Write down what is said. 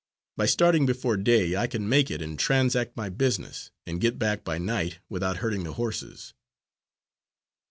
By starting before day, I can make it and transact my business, and get back by night, without hurting the horses."